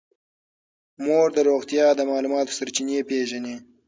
مور د روغتیا د معلوماتو سرچینې پېژني.